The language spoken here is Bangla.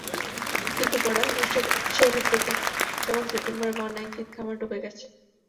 কিন্তু পরে আগস্টের শেষের দিকে এবং সেপ্টেম্বরের বন্যায় খেত-খামার ডুবে গেছে।